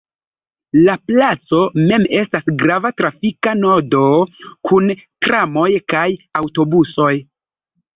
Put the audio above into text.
La placo mem estas grava trafika nodo kun tramoj kaj aŭtobusoj.